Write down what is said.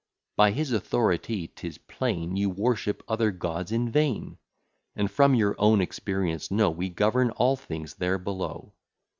By his authority 'tis plain You worship other gods in vain; And from your own experience know We govern all things there below.